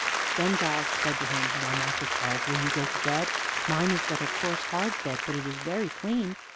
Then Giles said to him: "Now, Master Charles, will you go to bed? Mine is but a coarse, hard bed, but it is very clean."